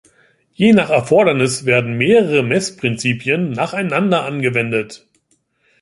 Je nach Erfordernis werden mehrere Messprinzipien nacheinander angewendet.